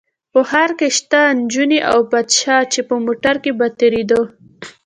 په ښار کې شته نجونې او پادشاه چې په موټر کې به تېرېده.